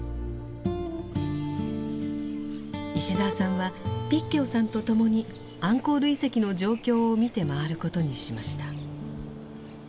石澤さんはピッ・ケオさんと共にアンコール遺跡の状況を見て回ることにしました。